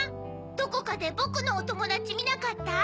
どこかでぼくのおともだちみなかった？